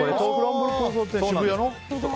渋谷の？